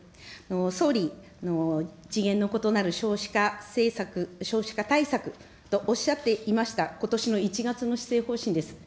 総理、次元の異なる少子化政策、少子化対策とおっしゃっていました、ことしの１月の施政方針です。